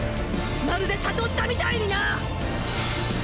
まるで悟ったみたいにな！